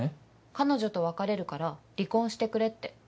「彼女と別れるから離婚してくれ」って。